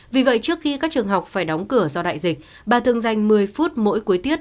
vì vậy trước khi các trường học phải đóng cửa do đại dịch bà thường dành một mươi phút mỗi cuối tiết